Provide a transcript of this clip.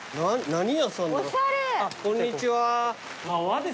こんにちは。